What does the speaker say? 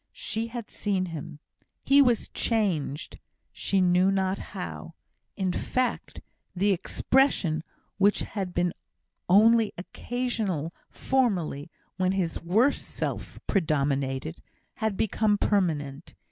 She had seen him. He was changed, she knew not how. In fact, the expression, which had been only occasional formerly, when his worse self predominated, had become permanent.